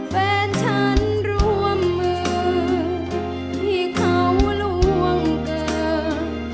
แฟนฉันร่วมมือที่เขาล่วงเกิน